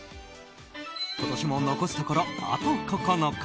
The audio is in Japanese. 今年も残すところ、あと９日。